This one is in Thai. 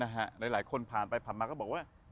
หลายคนผ่านไปผ่านมาก็บอกว่า